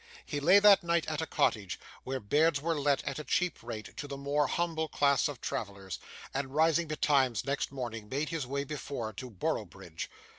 He lay, that night, at a cottage, where beds were let at a cheap rate to the more humble class of travellers; and, rising betimes next morning, made his way before night to Boroughbridge.